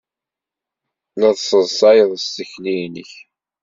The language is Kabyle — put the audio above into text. La tesseḍsayed s tikli-nnek.